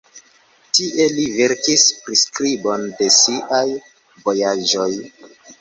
Tie li verkis priskribon de siaj vojaĝoj.